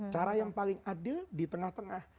cara yang paling adil di tengah tengah